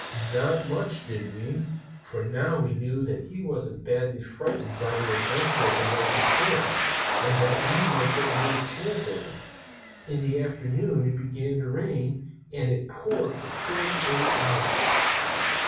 "Not much, did we! For now we knew that he wasn't badly frightened by the adventure of the night before, and that we might get another chance at him. In the afternoon it began to rain; and it poured for forty eight hours.